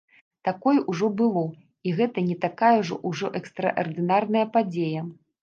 Такое ўжо было, і гэта не такая ўжо экстраардынарная падзея.